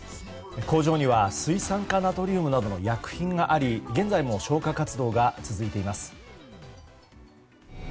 工場には水酸化ナトリウムなどの薬品があり現在も消火活動が続いています。